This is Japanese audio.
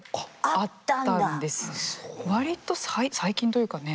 割と最近というかね。